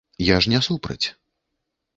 Я ж не супраць!